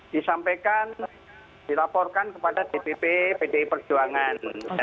disampaikan dilaporkan kepada dpp pdi perjuangan